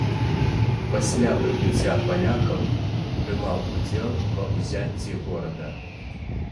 Пасля прыбыцця палякаў прымаў удзел ва ўзяцці горада.